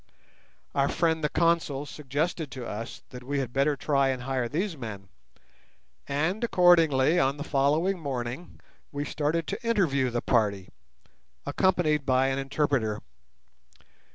Our friend the Consul suggested to us that we had better try and hire these men, and accordingly on the following morning we started to interview the party, accompanied by an interpreter.